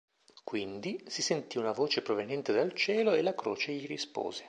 Quindi si sentì una voce proveniente dal cielo e la croce gli rispose.